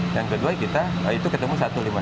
yang kedua kita itu ketemu satu ratus lima puluh